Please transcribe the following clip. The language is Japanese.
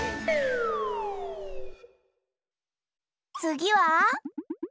つぎは？